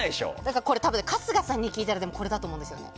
多分、春日さんに聞いたらこれだと思うんですよね。